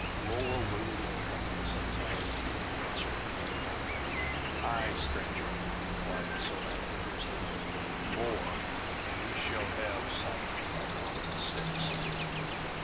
Rolla waited in tremulous anxiety for the answer. "Aye, stranger!" replied Somat vigorously. "More; ye shall have some of the little sticks!"